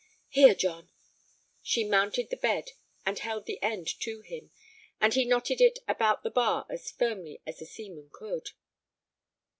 "Here, John." She mounted the bed and held the end to him, and he knotted it about the bar as firmly as a seaman could.